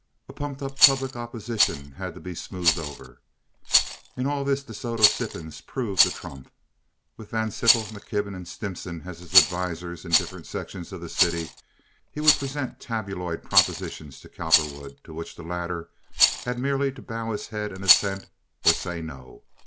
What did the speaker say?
A pumped up public opposition had to be smoothed over. In all this De Soto Sippens proved a trump. With Van Sickle, McKibben, and Stimson as his advisers in different sections of the city he would present tabloid propositions to Cowperwood, to which the latter had merely to bow his head in assent or say no.